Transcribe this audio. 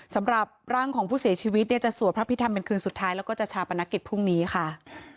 สำหรับร่างของผู้เสียชีวิตเนี่ยจะสวดพระพิธรรมเป็นคืนสุดท้ายแล้วก็จะชาปนกิจพรุ่งนี้ค่ะ